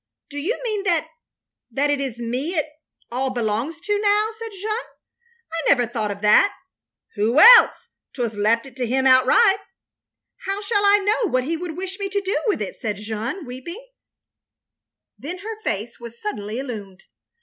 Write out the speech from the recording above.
" "Do you mean that — ^that it is me it — ^all belongs to now," said Jeanne, "I never thought of that. " "Who else — *t was left to him outright. " "How shall I know what he would wish me to do with it —" said Jeanne weeping; then her face was suddenly illumined.